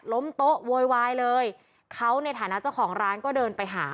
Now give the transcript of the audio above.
โต๊ะโวยวายเลยเขาในฐานะเจ้าของร้านก็เดินไปหา